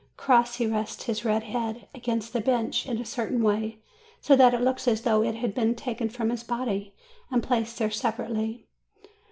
Crossi rests his red head against the bench in a certain way, so that it looks as though it had been taken from his body and placed there sepa rately.